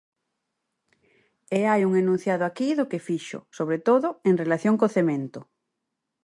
E hai un enunciado aquí do que fixo, sobre todo, en relación co cemento.